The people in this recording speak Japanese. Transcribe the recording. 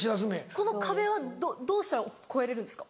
この壁はどうしたら越えれるんですか？